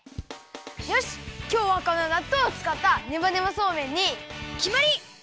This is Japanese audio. よしきょうはこのなっとうをつかったねばねばそうめんにきまり！